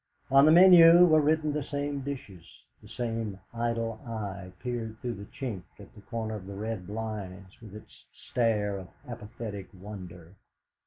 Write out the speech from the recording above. On the menu were written the same dishes. The same idle eye peered through the chink at the corner of the red blinds with its stare of apathetic wonder.